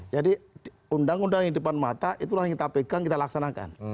jadi undang undang yang di depan mata itulah yang kita pegang kita laksanakan